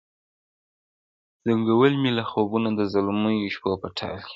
زنګول مي لا خوبونه د زلمیو شپو په ټال کي-